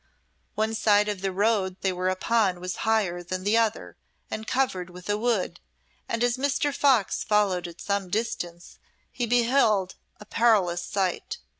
One side of the road they were upon was higher than the other and covered with a wood, and as Mr. Fox followed at some distance he beheld a parlous sight.